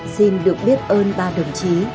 xin được biết ơn ba đồng chí